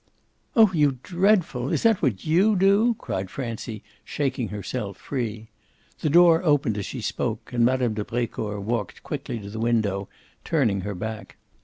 "Oh you dreadful is that what YOU do?" cried Francie, shaking herself free. The door opened as she spoke and Mme. de Brecourt walked quickly to the window, turning her back.